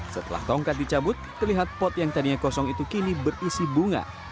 setelah tongkat dicabut terlihat pot yang tadinya kosong itu kini berisi bunga